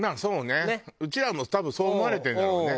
うちらも多分そう思われてるんだろうね。